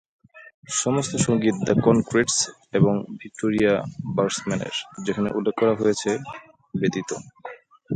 সমস্ত সঙ্গীত the Concretes এবং ভিক্টোরিয়া বার্গসম্যানের, যেখানে উল্লেখ করা হয়েছে, ব্যতীত।